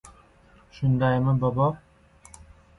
Shundaymi, bobo?